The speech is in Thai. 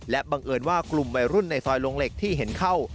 บังเอิญว่ากลุ่มวัยรุ่นในซอยลงเหล็กที่เห็นเข้า